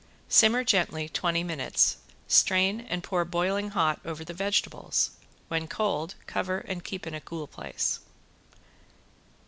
Simmer gently twenty minutes, strain and pour boiling hot over the vegetables. When cold cover and keep in a cool place.